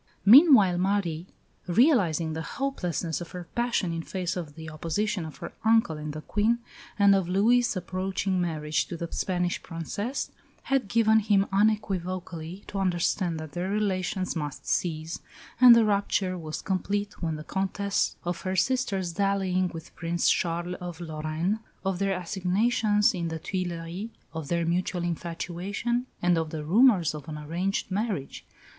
Meanwhile Marie, realising the hopelessness of her passion in face of the opposition of her uncle and the Queen, and of Louis' approaching marriage to the Spanish Princess, had given him unequivocally to understand that their relations must cease, and the rupture was complete when the Comtesse told the King of her sister's dallying with Prince Charles of Lorraine, of their assignations in the Tuileries, of their mutual infatuation, and of the rumours of an arranged marriage.